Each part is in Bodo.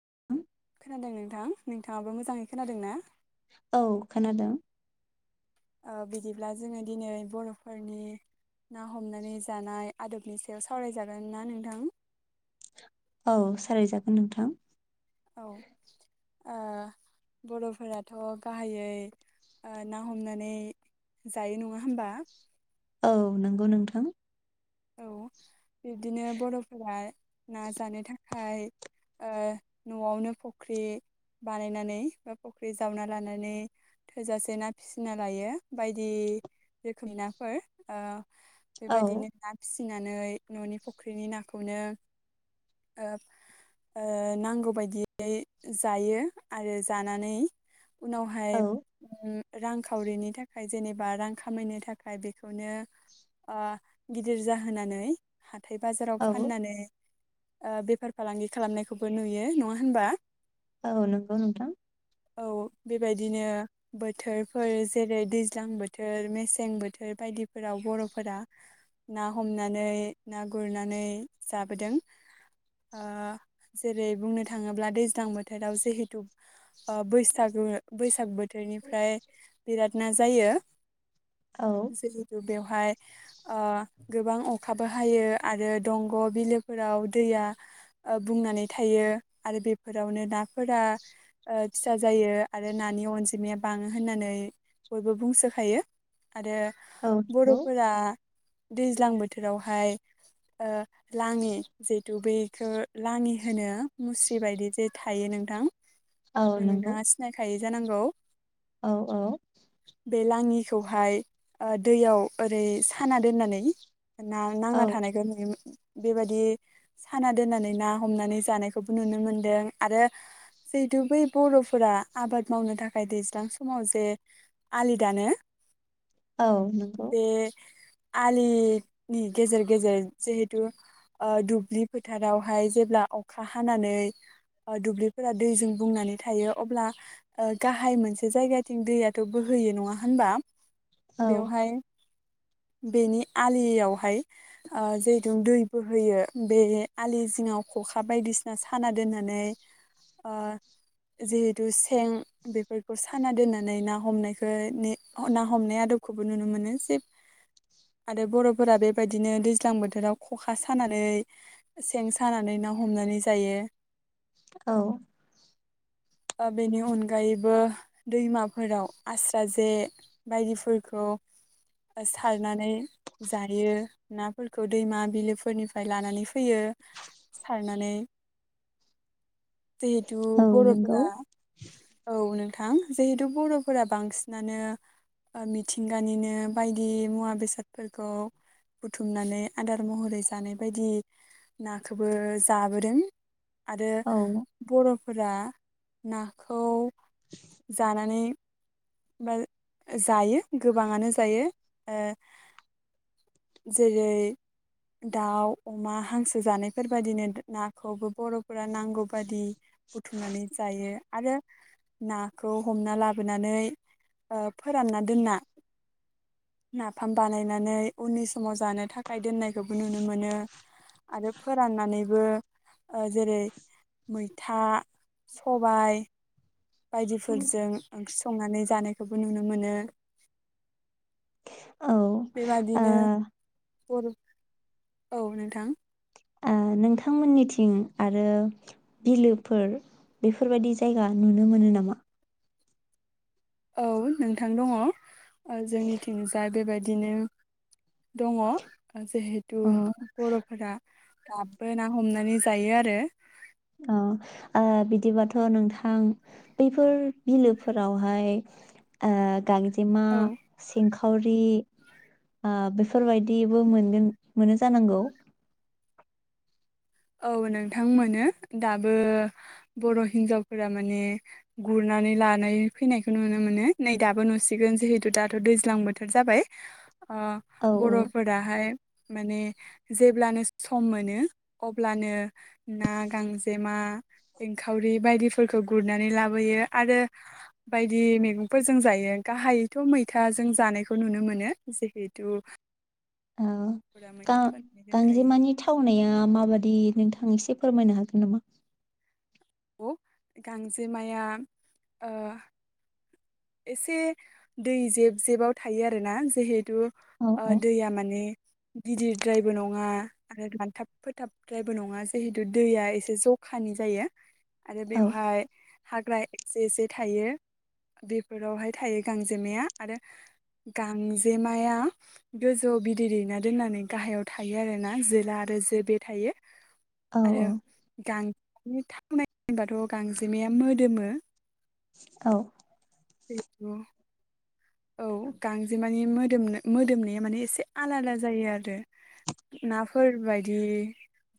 [unintelligible] खोनादों नोंथां नोंथाङाबो मोजाङै खोनादों ना औ खोनादों ओ बिदिब्ला जोङो दिनै बर'फोरनि ना हमनानै जानाय आदबनि सायाव सावरायजागोन ना नोंथां औ सावरायजागोन नोंथां औ ओ बर'फोराथ' गाहायै ओ ना हमनानै जायो नङा होमबा औ नंगौ नोंथां औ बिब्दिनो बर'फोरा ना जानो थाखाय [unintelligible] ओ न'आवनो फख्रि बानायनानै बा फख्रि जावना लानानै थोजासे ना फिसिना लायो बायदि रोखोमनि नाफोर ओ औ बेबायदिनो फिनानै न'नि फुख्रिनि नाखौनो ओ ओ नांगौ बायदियै जायो आरो जानानै उनावहाय औ रांखावरिनि थाखाय जेनेबा रां खामायनो थाखाय बेखौनो ओ गिदिर जाहोनानै। हाथाय बाजाराव औ फाननानै। ओ बेफार फालांगि खालामनायखौबो नुयो नङा होनबा। औ नंगौ नोंथां। औ बेबायदिनो बोथोरफोर जेरै दैज्लां बोथोर मेसें बोथोर बायदिफोराव बर'फोरा। ना हमनानै ना गुरनानै जाबोदों ओ जेरै बुंनो थाङोब्ला दैज्लां बोथोराव जिहेथु ओ बैसागु बैसाग बोथोरनिफ्राय बिराद ना जायो। औ [unintelligible] फाय ओ गोबां अखाबो हायो आरो दंग' बिलोफोराव दैया बुंनानै थायो आरो बेफोरावनो नाफोरा ओ फिसा जायो आरो नानि अनजिमाया बाङो होननानै बयबो बुंसोखायो। आरो औ नंगौ बर'फोरा। दैज्लां बोथोरावहाय ओ लाङि जिहेथु बेखौ लाङि होनो मुस्रि बायदि जे थायो नोंथां। औ नंगौ नोंथाङा सिनायखायो। जानांगौ। औ औ। बे लाङिखौहाय ओ दैयाव ओरै साना दोननानै। [unintelligible] ना औ नांना थानायखौ नुयोमोन। बेबायदि साना दोननानै ना हमनानै जानायखौबो नुनो मोनदों आरो जिहेथु बै बर'फोरा आबाद मावनो थाखाय दैज्लां समाव जे आलि दानो। औ नंगौ। बे आलिनि गेजेर गेजेर जिहेथु ओ दुब्लि फोथारावहाय जेब्ला अखा हानानै दुब्लिफोरा दैजों बुंनानै थायो अब्ला ओ गाहाय मोनसे जायगाथिं दैयाथ' बोहोयो नङा होनबा। औ बेवहाय। बेनि आलियावहाय ओ जिहेथु दै बोहोयो बे आलि जिङाव खखा बायदिसिना साना दोननानै ओ जिहेथु सेन बेफोरखौ साना दोननानै ना हमनायखौ ना हमनाय आदबखौबो नुनो मोनो जे आरो बर'फोरा बेबायदिनो दैज्लां बोथोराव खखा सानानै सेन सानानै ना हमनानै जायो। औ। ओ बेनि अनगायैबो दैमाफोराव आस्रा जे बायदिफोरखौ सारनानै जायो नाफोरखौ दैमा बिलोफोरनिफ्राय लानानै फैयो सारनानै। जेहेथु बर' गौ। औ नोंथां जिहेथु बर'फोरा बांसिनानो मिथिंगानिनो बायदि मुवा बेसादफोरखौ बुथुमनानै आदार महरै जानाय बायदि नाखौबो जाबोदों। आरो औ बर' फोरा ना। खौ। जानानै। बा जायो गोबाङानो जायो ओ जेरै दाउ अमा हांसो जानायफोरबायादिनो नाखौबो बर'फोरा नांगौ बादि बुथुमनानै जायो आरो नाखौ हमना लाबोनानै ओ फोरानना दोनना नाफाम बानायनानै उननि समाव जानो थाखाय थाखाय दोननायखौबो नुनो मोनो। आरो फोराननानैबो जेरै मैथा सबाय बायदिफोरजों ओंख्रि संनानै जानायखौबो नुनो मोनो। औ ओ बेबादिनो बर' औ नोंथां ओ नोंथांमोननिथिं आरो बिलोफोर बेफोरबायदि जायगा नुनो मोनो नामा? औ नोंथां दङ जोंनिथिंजाय बेबायदिनो दङ जिहेथु अ बर'फोरा दाबो ना हमनानै जायो आरो औ ओ बिदिबाथ' नोंथां बैफोर बिलोफोरावहाय ओ गां जेमा औ सें खावरि ओ बेफोरबायदिबो मोनगोन मोनो जानांगौ? औ नोंथां मोनो दाबो बर' हिनजावफोरा माने गुरनानै लानाय फैनायखौ नुनो मोनो नै दाबो नुसिगोन जिहेथु दाथ' दैज्लां बोथोर जाबाय ओ औ बरफोराहाय माने जेब्लानो सम मोनो अब्लानो ना गांजेमा एंखावरि बायदिफोरखौ गुरनानै लाबोयो आरो बायदि मैगंफोरजों जायो गाहायैथ मैथाजों जानायखौ नुनो मोनो जिहेथु औ गां मैगं फोनानै दोनखायो गांजेमानि थावनाया माबादि नोंथां एसे फोरमायनो हागोन नामा औ गांजेमाया ओ एसे दै जेब जेबाव थायो आरोना जिहेतु औ ओ औ दैया माने गिदिरद्रायबो नङा आरो रानथाब फोथाबद्रायबो नङा जिहेतु दैया एसे जखानि जायो आरो औ बेवहाय हाग्रा एसे एसे थायो बे फोरावहाय थायो गांजेमाया आरो गांजेमाया गोजौआव बिदै दैना दोननानै गाहायाव थायो आरोना जोला आरो जो बे थायो औ आरो गां मानि थावनाय होनबाथ गांजेमाया मोदोमो औ बेथ औ गांजेमानि मोदोम मोदोमनाया माने एसे आला आदा जायो आरो नाफोरबायायदि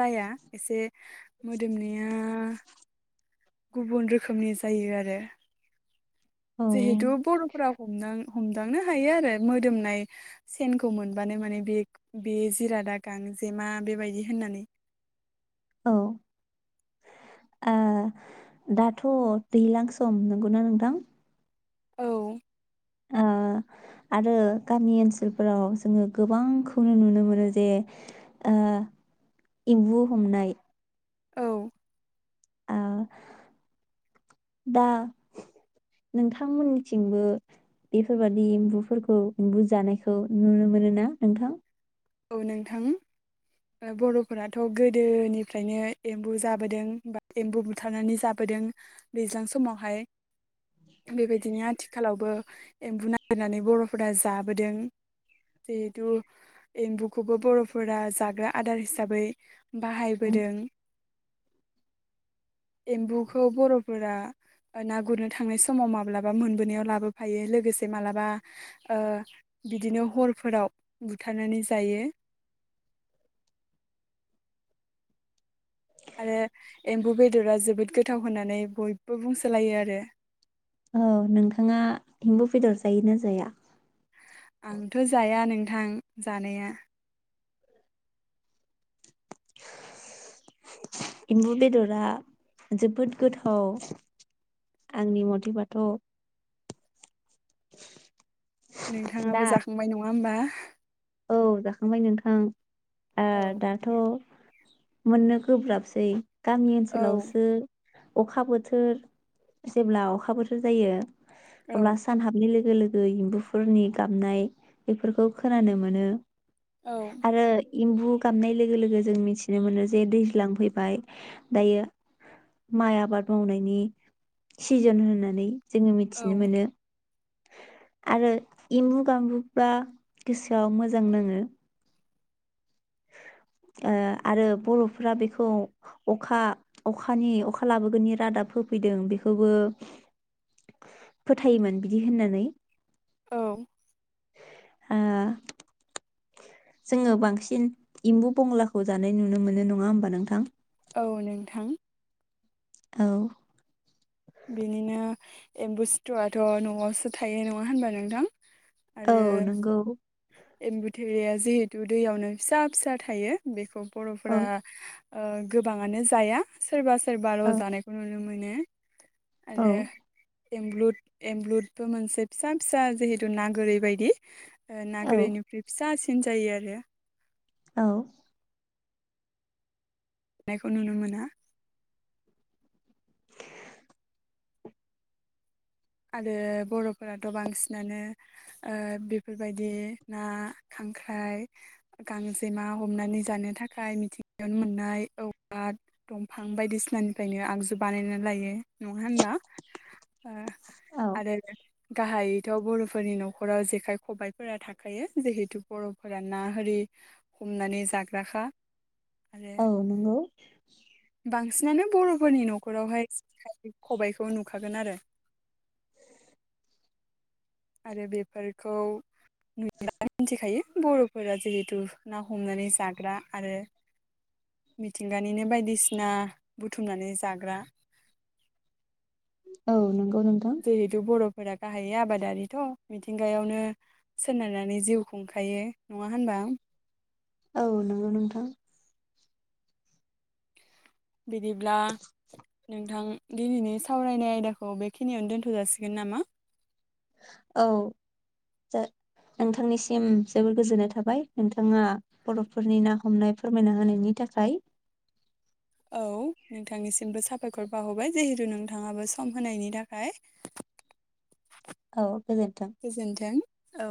जाया एसे मोदोमनाया गुबुन रोखोमनि जायो आरो औ जिहेतु बर' फोराव हमां हमदांनो हायो आरो मोदोमनाय सेनखौ मोनबानो माने बे बे जिरादागां जेमा बेबायदि होननानै औ दाथ दैज्लां सम नंगौना नोंथां औ। ओ आरो गामि ओनसोलफोराव जोङो गोबांखौनो नुनो मोनो जे ओ एम्बु हमनाय। औ। ओ दा नोंथांमोननिथिंबो बेफोरबादि एम्बुफोरखौ एम्बु जानायखौ नुनो मोनो ना नोंथां? औ नोंथां बरफोराथ' गोदोनिफ्रायनो एम्बु जाबोदों बा एम्बु बुथारनानै जाबोदों दैज्लां समावहाय। बेबायदिनो आथिखालावबो एम्बु नागिरनानै बर'फोरा जाबोदों जिहेथु एम्बुखौबो बर'फोरा जाग्रा आदार हिसाबै बाहायबोदों। एम्बुखौ बर'फोरा ना गुरनो थांनाय समाव माब्लाबा मोनबोनायाव लाबोफायो लोगोसे मालाबा बिदिनो हरफोराव बुथारनानै जायो। आरो एम्बु बेदरा जोबोद गोथाव होननानै बयबो बुंसोलायो आरो। औ नोंथाङा हिम्बु बेदर जायोना जाया? आंथ' जाया नोंथां जानाया। एम्बु बेदरा जोबोद गोथाव आंनि मथेबाथ' दा नोंथाङाबो जाखांबाय नङा होमबा? औ जाखांबाय नोंथां। औ ओ दाथ' मोननो गोब्राबसै। गामि औ ओनसोलावसो अखा बोथोर जेब्ला अखा बोथोर जायो। औ अब्ला सान हाबनि लोग लोगो एम्बुफोरनि गाबनाय बेफोरखौ खोनानो मोन [unintelligible] औ आरो एम्बु गाबनाय लोगो लोगो जों मिथिनो मोनो जे दैज्लां फैबाय दायो माइ आबाद मावनायनि सिजोन होननानै जोङो मिथिनो औ मोनो। आरो एम्बु गामोल्बा गोसोआव मोजां नाङो। ओ‌ आरो बर'फोरा बेखौ अखा अखानि अखा लाबोगोननि रादाब होफैदों बेखौबो फोथायोमोन बिदि होननानै। औ। ओ जोङो बांसिन एम्बु बंलाखौ जानाय नुनो मोनो नङा होमबा नोंथां? औ नोंथां। औ। बिनिनो एम्बु सिथ्र' आथ' न'आवसो थायो नङा होनबा नोंथां? औ आरो नंगौ एमबुथेरेया जिहेतु दैयावनो फिसा फिसा थायो बेखौ औ बर'फोरा ओ गोबाङानो जाया सोरबा सो सोरबार' औ जानायखौ नुनो मोन मोनो औ आरो। एमब्रुद एमब्रुदबो मोनसे फिसा फिसा जिहेथु ना गोरै बायदि औ गोरैनिफ्राय फिसासि थिन जायो आरो। औ। नायखौ नुनो मोना। आरो बर'फोराथ' बांसिनानो ओ बेफोरबायदि ना खांख्राइ गांजेमा हमनानै जानो थाखाय मिथिंगायावनो मोननाय औवा दंफां बायदिसिनानिफ्रायनो आगजु बानायना लायो नङा होनबा। औ आरो गाहायैथ' बर'फो फोरनि न'खराव जेखाइ खबाइफोरा थाखायो जिहेतु बर'फोरा ना होरि हमनानै जाग्राखा आरो औ नंगौ। बांसिनानो बर'फोरनि न'खरावहाय खबायखौ नुखा हागोन आरो। आरो बेफोरखौ नुयोनानै मिथिखायो बर'फोरा जिहेथु ना हमनानै जाग्रा आरो। मिथिंगानिनो बायदिसिना बुथुमनानै जाग्रा औ नं जेहथु बर'फ। फोरा गाहाय आबादारिथ' मिथिंगायावनो सोनारनानै जिउ खुंखायो नङा होनबा। औ नोंगो नोंथां। बिदिब्ला नोंथां दिनैनि सावरायनाय आयदाखौ बेखिनियावनो दोनथ' जाासिगोन नामा। औ नोंथांनिसिम जोबोर गोजोननाय थाबाय नोंथाङा बर'फोरनि ना हमनाय फोरमायना होनायनि थाखाय। औ नोंथांनिसिमबो साबायखर बाहरबाय जिहेथु नोंथाङाबो सम होनायनि थाखाय। औ गोजोनथों। गोजोन्थों औ।